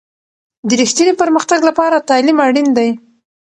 د رښتیني پرمختګ لپاره تعلیم اړین دی.